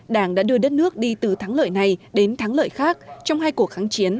đảng đã đưa đất nước đi từ thắng lợi này đến thắng lợi khác trong hai cuộc kháng chiến